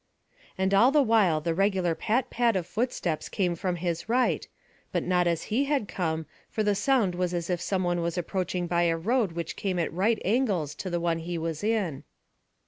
And all the while the regular pat pat of footsteps came from his right, but not as he had come, for the sound was as if some one was approaching by a road which came at right angles to the one he was in.